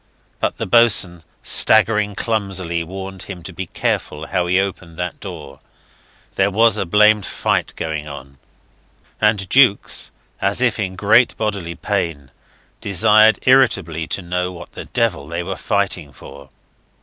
But the boatswain, staggering clumsily, warned him to be careful how he opened that door; there was a blamed fight going on. And Jukes, as if in great bodily pain, desired irritably to know what the devil they were fighting for.